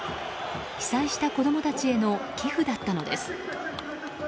被災した子供たちへの寄付だったのです。